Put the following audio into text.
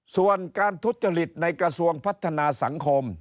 ส่วนการทุจริตในกระทรวงพัฒนาสังคม